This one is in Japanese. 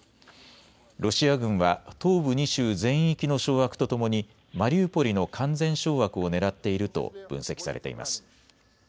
ロシア軍は東部２州全域の掌握とともにマリウポリの完全掌握をねらっていると分析されています。